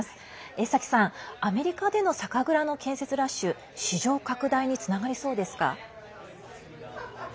江崎さん、アメリカでの酒蔵の建設ラッシュ市場拡大につながりそうですか？